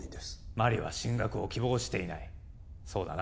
麻里は進学を希望していないそうだな？